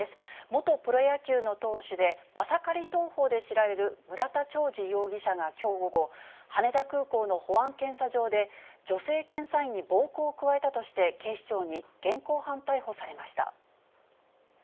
元プロ野球の投手で、マサカリ投法で知られる、村田兆治容疑者がきょう午後、羽田空港の保安検査場で、女性検査員に暴行を加えたとして警視庁に現行犯逮捕されました。